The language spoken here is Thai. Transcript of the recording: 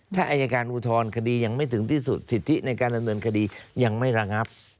ถ้าอายการอุทธรณคดียังไม่ถึงที่สุดสิทธิในการดำเนินคดียังไม่ระงับ